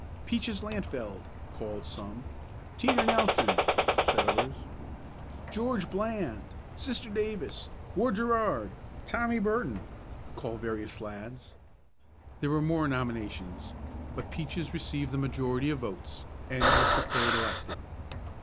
"Peaches Lantfeld," called some. "Teeter Nelson," said others. "George Bland! Sister Davis! Ward Gerard! Tommy Barton," called various lads. There were more nominations, but Peaches received the majority of votes, and was declared elected.